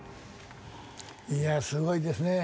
いやあすごいですね。